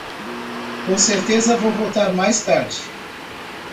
Com certeza vou voltar mais tarde.